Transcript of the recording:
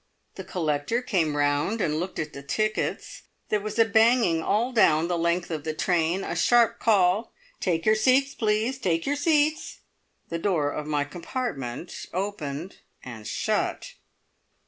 The collector came round and looked at the tickets; there was a banging all down the length of the train, a sharp call, "Take your seats, please; take your seats!" The door of my compartment opened and shut.